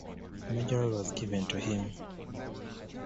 Major role was given to him.